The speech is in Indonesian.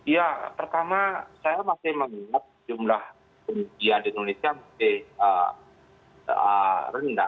ya pertama saya masih melihat jumlah pengujian di indonesia masih rendah